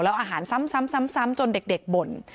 แล้วอาหารซ้ำจนเด็กบ่น